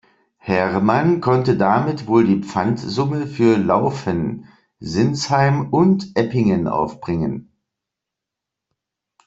Hermann konnte damit wohl die Pfandsumme für Lauffen, Sinsheim und Eppingen aufbringen.